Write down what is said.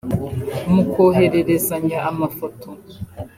mukohererezanya amafoto